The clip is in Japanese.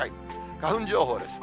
花粉情報です。